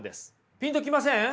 ピンと来ません？